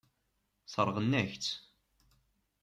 Sseṛɣen-ak-tt.